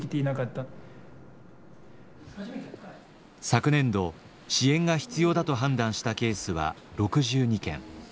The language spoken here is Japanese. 昨年度支援が必要だと判断したケースは６２件。